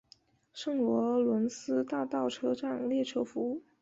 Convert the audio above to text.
圣罗伦斯大道车站列车服务。